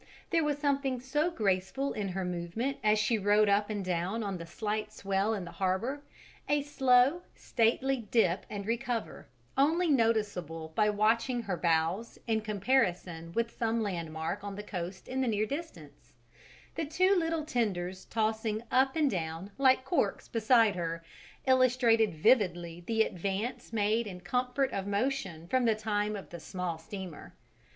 There was something so graceful in her movement as she rode up and down on the slight swell in the harbour, a slow, stately dip and recover, only noticeable by watching her bows in comparison with some landmark on the coast in the near distance; the two little tenders tossing up and down like corks beside her illustrated vividly the advance made in comfort of motion from the time of the small steamer.